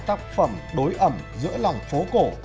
tác phẩm đối ẩm giữa lòng phố cổ